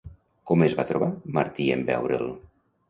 Com es va trobar Martí en veure'l?